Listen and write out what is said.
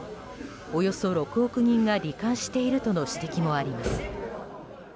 およそ６億人が罹患しているとの指摘もあります。